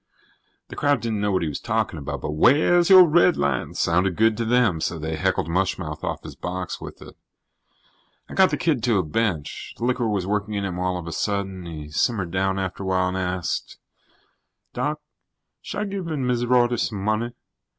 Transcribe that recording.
The crowd didn't know what he was talking about, but "wheah's your redlines" sounded good to them, so they heckled mush mouth off his box with it. I got the kid to a bench. The liquor was working in him all of a sudden. He simmered down after a while and asked: "Doc, should I've given Miz Rorty some money?